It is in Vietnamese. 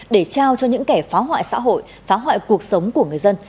để trao cho những kẻ phá hoại xã hội phá hoại cuộc sống của người dân